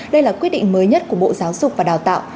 đây là quyết định mới nhất của bộ giáo dục và đào tạo